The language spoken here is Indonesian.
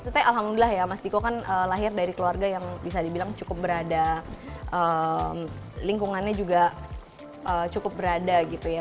tapi alhamdulillah ya mas diko kan lahir dari keluarga yang bisa dibilang cukup berada lingkungannya juga cukup berada gitu ya